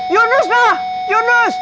yunus lah yunus